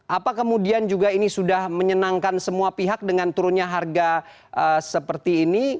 apa kemudian juga ini sudah menyenangkan semua pihak dengan turunnya harga seperti ini